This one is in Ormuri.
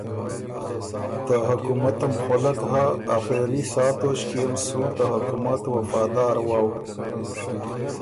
ته حکومتم خؤلک هۀ، آخېري ساه توݭکيې م سُو ته حکومت وفادار وؤ۔